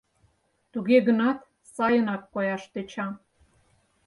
Туге гынат сайынак кояш тӧча.